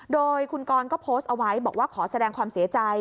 โดยคุณกรก็โพสต์เอาไว้บอกว่าขอแสดงความเสียใจ